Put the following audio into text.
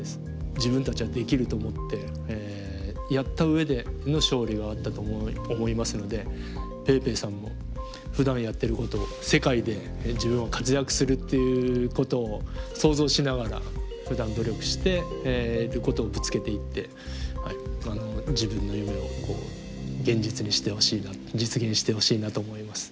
自分たちはできると思ってやった上での勝利があったと思いますのでぺいぺいさんもふだんやってることを世界で自分は活躍するっていうことを想像しながらふだん努力してることをぶつけていって自分の夢を現実にしてほしいな実現してほしいなと思います。